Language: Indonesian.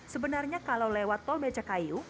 sebenarnya kalau lewat tol becakayu